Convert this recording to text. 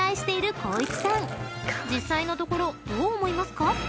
［実際のところどう思いますか？］